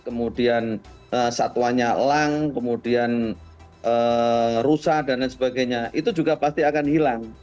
kemudian satwanya lang kemudian rusak dan lain sebagainya itu juga pasti akan hilang